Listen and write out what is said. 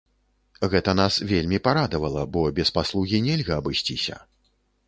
Гэта нас вельмі парадавала, бо без паслугі нельга абысціся.